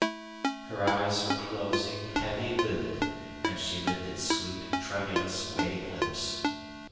Her eyes were closing, heavy lidded, and she lifted sweet, tremulous, waiting lips.